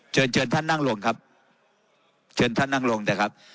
เชิญเชิญท่านนั่งลงครับเชิญท่านนั่งลงนะครับ